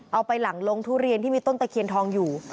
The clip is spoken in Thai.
ไปหลังลงทุเรียนที่มีต้นตะเคียนทองอยู่